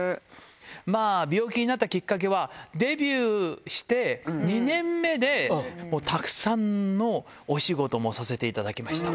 まあ、病気になったきっかけは、デビューして２年目で、もうたくさんのお仕事もさせていただきました。